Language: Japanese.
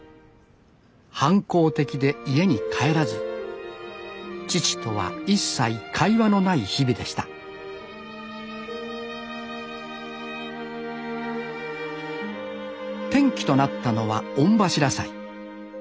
反抗的で家に帰らず父とは一切会話のない日々でした転機となったのは御柱祭。